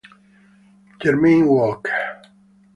Jermaine Walker